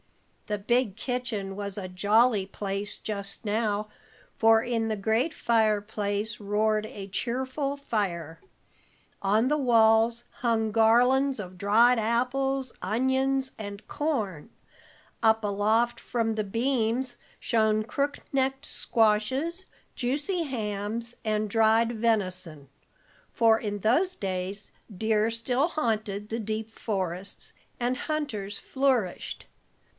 The big kitchen was a jolly place just now, for in the great fireplace roared a cheerful fire; on the walls hung garlands of dried apples, onions, and corn; up aloft from the beams shone crook necked squashes, juicy hams, and dried venison for in those days deer still haunted the deep forests, and hunters flourished.